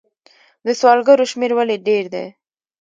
د سوالګرو شمیر ولې ډیر دی؟